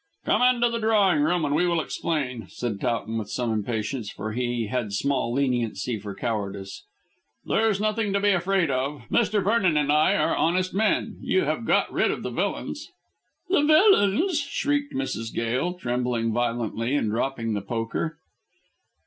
"Come into the drawing room and we will explain," said Towton with some impatience, for he had small leniency for cowardice; "There's nothing to be afraid of. Mr. Vernon and I are honest men: you have got rid of the villains." "The villains?" shrieked Mrs. Gail, trembling violently and dropping the poker.